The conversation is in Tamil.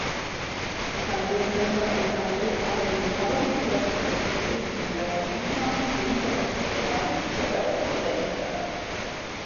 பல்கலைக்கழக அதிகாரிகள் அவரது பதவித் துறப்புக் கடிதத்தை மெல்லவும் முடியாமல் விழுங்கவும் இயலாமல் மிக வருத்தத்துடன் ஏற்றார்கள்.